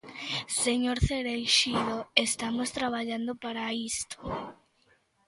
Señor Cereixido, estamos traballando para isto.